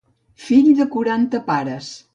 Fill de quaranta pares.